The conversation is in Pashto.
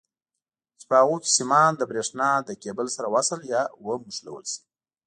چې په هغو کې سیمان د برېښنا له کیبل سره وصل یا ونښلول شي.